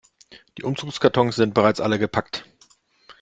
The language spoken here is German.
Die Umzugskartons sind bereits alle gepackt.